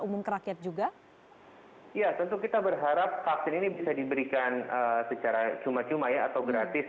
umum ke rakyat juga ya tentu kita berharap vaksin ini bisa diberikan secara cuma cuma ya atau gratis